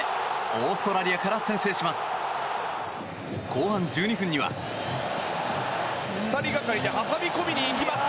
オーストラリアから先制します。